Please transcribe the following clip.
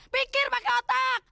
pikir pakai otak